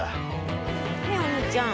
ねえお兄ちゃん。